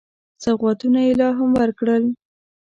سوغاتونه یې لا هم ورکړل.